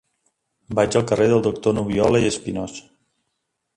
Vaig al carrer del Doctor Nubiola i Espinós.